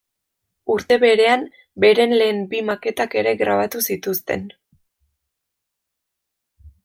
Urte berean beren lehen bi maketak ere grabatu zituzten.